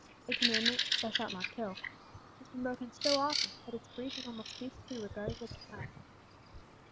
The commandment, "Thou shalt not kill," has been broken so often, that its breach has almost ceased to be regarded as a crime.